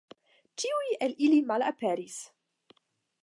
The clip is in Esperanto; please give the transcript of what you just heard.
Ĉiuj el ili malaperis.